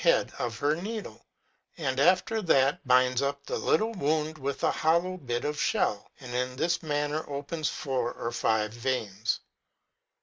head of her needle, and after that binds up the little wound with a hollow bit of shell ; and in this manner opens four or five veins.